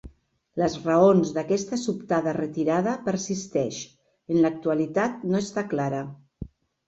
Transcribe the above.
Les raons d'aquesta sobtada retirada persisteix, en l'actualitat no està clara.